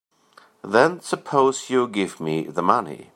Then suppose you give me the money.